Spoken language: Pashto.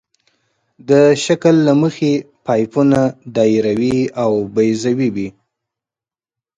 د شکل له مخې پایپونه دایروي او بیضوي وي